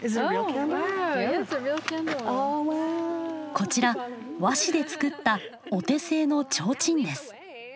こちら和紙で作ったお手製の提灯です。